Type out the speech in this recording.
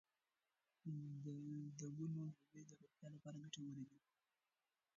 د ونو میوې د روغتیا لپاره ګټورې دي.